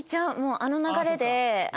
あの流れで。